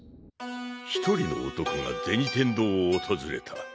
一人の男が銭天堂を訪れた。